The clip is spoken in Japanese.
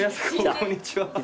こんにちは。